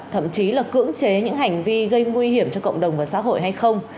thậm chí là cưỡng chế những hành vi gây nguy hiểm cho cộng đồng và xã hội hay không